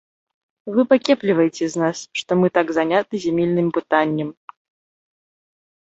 Вы пакепліваеце з нас, што мы так заняты зямельным пытаннем.